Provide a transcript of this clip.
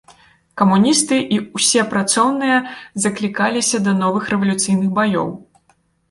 Камуністы і ўсе працоўныя заклікаліся да новых рэвалюцыйных баёў.